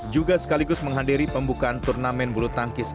juga sekaligus menghadiri pembukaan turnamen bulu tangkis